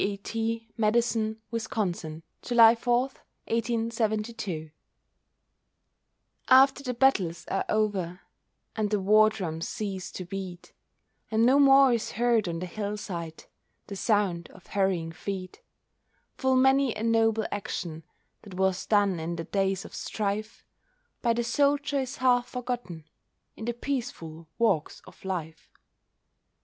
A. T., Madison, Wis., July 4, 1872.] After the battles are over, And the war drums cease to beat, And no more is heard on the hillside The sound of hurrying feet, Full many a noble action, That was done in the days of strife By the soldier is half forgotten, In the peaceful walks of life.